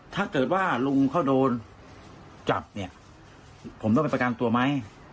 ถ้าเกิดว่าลุงเขาโดนจับเนี่ยผมต้องไปประกันตัวไหม